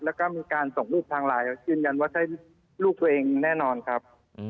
แล้วก็มีการส่งรูปทางไลน์ยืนยันว่าใช่ลูกตัวเองแน่นอนครับ